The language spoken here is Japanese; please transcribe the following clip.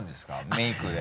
メイクで。